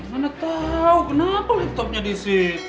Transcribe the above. g ernak tau kenapa laptopnya di situ